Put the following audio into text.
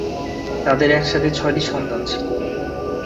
তাদের একসাথে ছয়টি সন্তান ছিল।